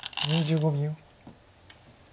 ２５秒。